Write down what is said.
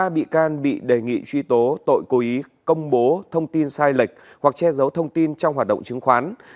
ba bị can bị đề nghị truy tố tội cố ý công bố thông tin sai lệch hoặc che giấu thông tin trong hoạt động chứng khoán